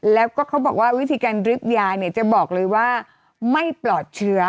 แล้วก็เขาบอกว่าวิธีการริบยาเนี่ยจะบอกเลยว่าไม่ปลอดเชื้อ